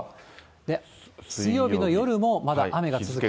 水曜日の夜もまだ雨が続きます。